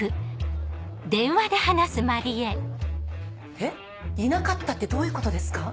えっいなかったってどういうことですか？